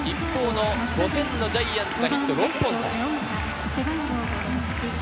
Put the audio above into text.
５点のジャイアンツがヒット６本。